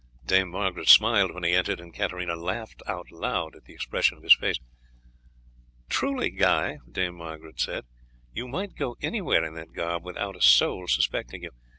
Dame Margaret smiled when he entered, and Katarina laughed aloud at the expression of his face. "Truly, Guy," the former said, "you might go anywhere in that garb without a soul suspecting you.